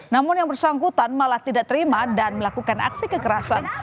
namun yang bersangkutan malah tidak terima dan melakukan aksi kekerasan